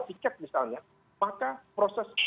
tiket misalnya maka proses